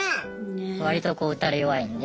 割とこう打たれ弱いんで。